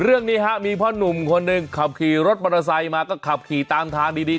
เรื่องนี้ค่ะมีเพื่อนหนุ่มคนนึงขับขี่รถบาราไซมาก็ขับขี่ตามทางดี